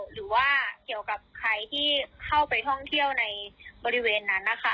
หรือว่าเกี่ยวกับใครที่เข้าไปท่องเที่ยวในบริเวณนั้นนะคะ